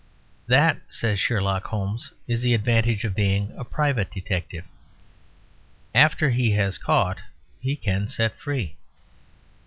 "That," says Sherlock Holmes, "is the advantage of being a private detective"; after he has caught he can set free.